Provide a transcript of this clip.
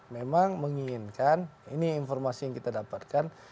memang menginginkan ini informasi yang kita dapatkan